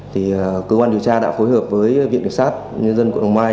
thì cơ quan điều tra đã phối hợp với viện nghiệp sát nhân dân quận hoàng mai